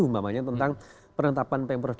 namanya tentang perhentapan pemprov dki